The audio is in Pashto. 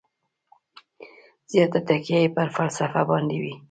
زیاته تکیه یې پر فلسفه باندې وي.